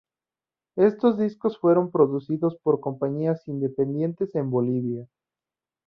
Estos discos fueron producidos por compañías independientes en Bolivia.